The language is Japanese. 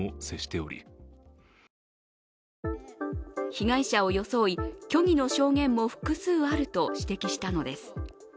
被害者を装い、虚偽の証言も複数あると指摘したのです。